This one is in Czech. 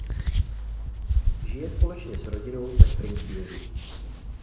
Žije společně s rodinou ve Springfieldu.